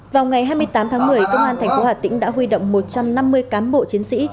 vào ngày hai mươi tám tháng một mươi công an thành phố hà tĩnh đã huy động một trăm năm mươi cán bộ chiến sĩ